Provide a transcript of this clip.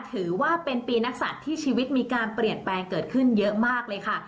ถือว่าเป็นปีนักศัตริย์ที่ชีวิตมีการเปลี่ยนแปลงเกิดขึ้นเยอะมากเลยค่ะ